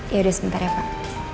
yaudah sebentar ya pak